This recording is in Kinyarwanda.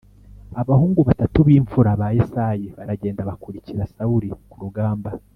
Abahungu batatu b imfura ba Yesayi baragenda bakurikira Sawuli ku rugamba